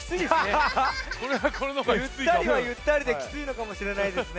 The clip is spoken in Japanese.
ゆったりはゆったりできついのかもしれないですね。